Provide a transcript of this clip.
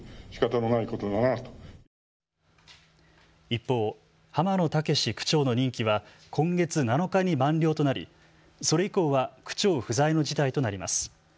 一方、濱野健区長の任期は今月７日に満了となりそれ以降は区長不在の事態となります。